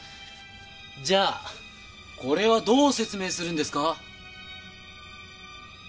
じゃあこれはどう説明するんですか？